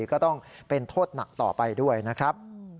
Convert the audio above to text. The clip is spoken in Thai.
ก็ต้องเป็นโทษหนักต่อไปด้วยนะครับ